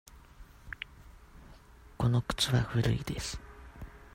この靴は古いです。